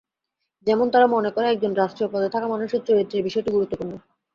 যেমন তারা মনে করে একজন রাষ্ট্রীয় পদে থাকা মানুষের চরিত্রের বিষয়টি গুরুত্বপূর্ণ।